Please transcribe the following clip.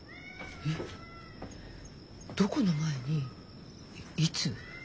どこの前にいつ？